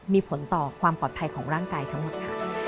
มีผลต่อความปลอดภัยของร่างกายทั้งหมดค่ะ